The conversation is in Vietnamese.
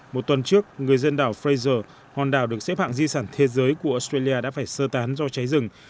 một tuần trước người dân đảo fraser hòn đảo được xếp hạng di sản thế giới của australia đã phải sơ tán do cháy rừng